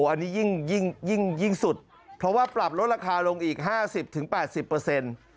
อันนี้ยิ่งสุดเพราะว่าปรับลดราคาลงอีก๕๐๘๐เปอร์เซ็นต์